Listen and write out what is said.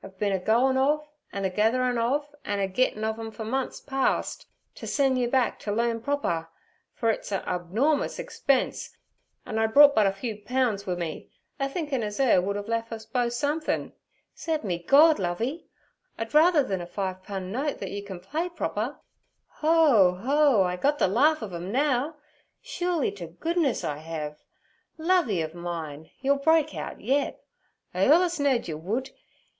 I've bin a goin' ov, an' a getherin' ov, an' a gittin' ov 'em fer months past, ter sen' yer back t' learn proper; fer it's a abnormous egspense, and I brought but a few poun's wi' me, a thinkin' as 'er would 'ave lef' us both somethin'. Se'p me Gord, Lovey! I'd ruther then a fi' pun note thet you ken play proper. Ho! ho! I gut ther larf ov 'em now. Shooly t' goodness I hev. Lovey ov mine, ye'll break out yet; I allus knowed yer would.